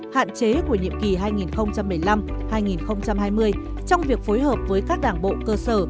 hạn chế của nhiệm kỳ hai nghìn một mươi năm hai nghìn hai mươi trong việc phối hợp với các đảng bộ cơ sở